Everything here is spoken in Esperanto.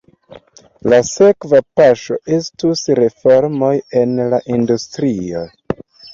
La sekva paŝo estus reformoj en la industrio.